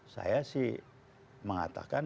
saya sih mengatakan